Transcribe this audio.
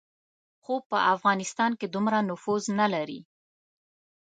خو په افغانستان کې دومره نفوذ نه لري.